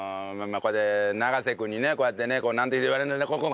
ここで永瀬君にねこうやってね言われるの。